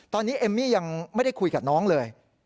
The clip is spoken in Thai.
ตอนนี้เอมมี่ยังไม่ได้คุยกับน้องเลย